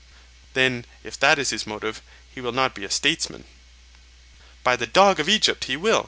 Then, if that is his motive, he will not be a statesman. By the dog of Egypt, he will!